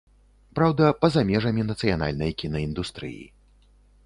Праўда, па-за межамі нацыянальнай кінаіндустрыі.